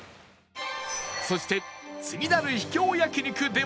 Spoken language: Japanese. そして次なる秘境焼肉では